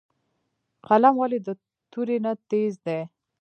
قلم ولې د تورې نه تېز دی؟